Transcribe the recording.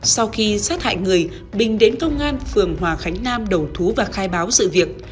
sau khi sát hại người bình đến công an phường hòa khánh nam đầu thú và khai báo sự việc